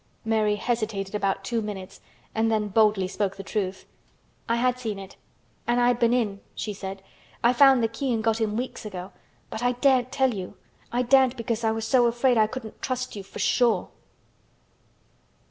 Mary hesitated about two minutes and then boldly spoke the truth. "I had seen it—and I had been in," she said. "I found the key and got in weeks ago. But I daren't tell you—I daren't because I was so afraid I couldn't trust you—_for sure!